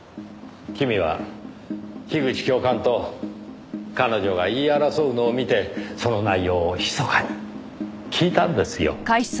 君は樋口教官と彼女が言い争うのを見てその内容をひそかに聞いたんですよ。